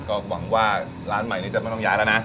ก็หวังว่าร้านใหม่นี้จะไม่ต้องย้ายแล้วนะ